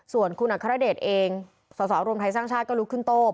ส่วนคุณอคารเดชเองสศภศก็ลุกขึ้นโตบ